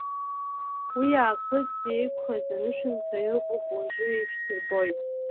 Уиаахыс еиқәхаз анышәынҭра ыҟоуп, уажәы ишәсырбоит.